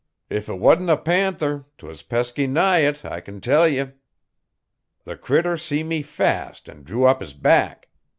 If 't wa'n't a panther 'twas pesky nigh it I can tell ye. The critter see me fast an' drew up 'is back.